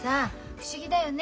不思議だよね